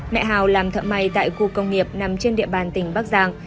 mẹ hào làm thợ may tại khu công nghiệp nằm trên địa bàn tỉnh bắc giang